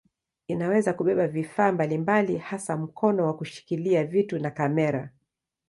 Inaweza kubeba vifaa mbalimbali hasa mkono wa kushikilia vitu na kamera.